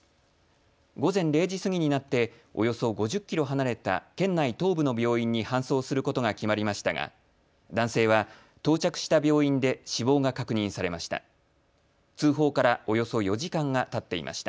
午前０時過ぎになって、およそ５０キロ離れた県内東部の病院に搬送することが決まりましたが男性は到着した病院で死亡が確認されました。